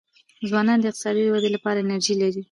ځوانان د اقتصاد د ودې لپاره انرژي لري.